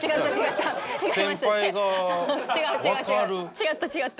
違った違った。